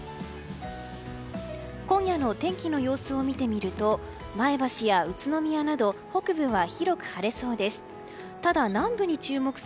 今夜の天気の様子を見てみると前橋や宇都宮など北部は広く晴れそうです。